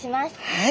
はい。